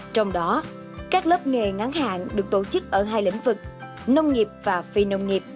trong đó các lớp nghề ngắn hạn được tổ chức ở hai lĩnh vực nông nghiệp và phi nông nghiệp